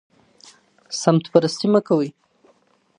سمت پرستي مه کوئ.